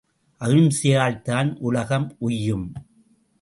அகிம்சையால் தான் உலகம் உய்யும்.